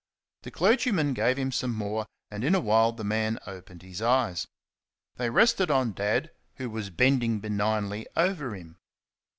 The clergyman gave him some more, and in a while the man opened his eyes. They rested on Dad, who was bending benignly over him.